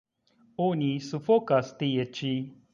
Oni sufokas tie ĉi.